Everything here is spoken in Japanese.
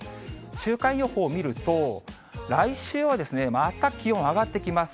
週間予報見ると、来週はまた気温上がってきます。